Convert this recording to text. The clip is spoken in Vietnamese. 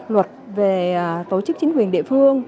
luật về tổ chức chính quyền địa phương